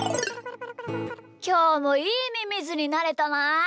きょうもいいミミズになれたな。